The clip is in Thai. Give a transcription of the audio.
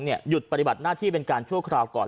หยุดปฏิบัติหน้าที่เป็นการชั่วคราวก่อน